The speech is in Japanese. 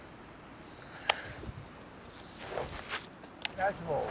ナイスボール！